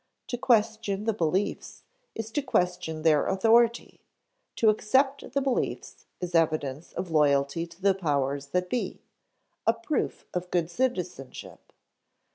To question the beliefs is to question their authority; to accept the beliefs is evidence of loyalty to the powers that be, a proof of good citizenship.